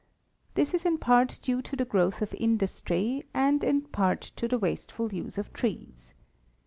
This is in part due to the growth of industry and in part to the wasteful use of trees.